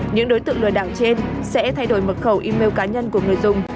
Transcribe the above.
những đối tượng lừa đảo trên sẽ thay đổi mật khẩu email cá nhân của người dùng